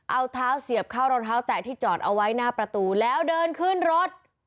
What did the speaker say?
เอาเท้าเสียบเข้ารองเท้าแตะที่จอดเอาไว้หน้าประตูแล้วเดินขึ้นรถ